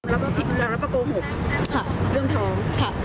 เราก็โกหกเรื่องท้อง